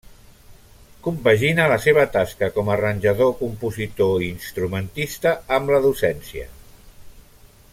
Compagina la seva tasca com a arranjador, compositor i instrumentista amb la docència.